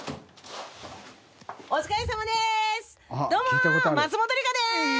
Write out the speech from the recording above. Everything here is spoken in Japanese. お疲れさまです！